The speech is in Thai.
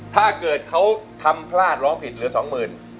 ถ้าเกิดเขาทำพลาดร้องผิดเหลือสองหมื่น